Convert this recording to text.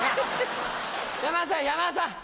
山田さん山田さん！